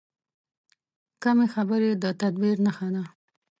کمې خبرې، د تدبیر نښه ده.